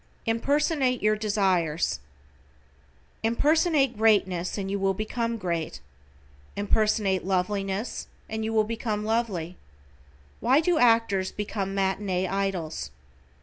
=IMPERSONATE YOUR DESIRES:= Impersonate greatness and you will become great. Impersonate loveliness and you will become lovely. Why do actors become matinee idols?